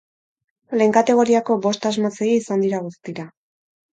Lehen kategoriako bost asmatzaile izan dira guztira.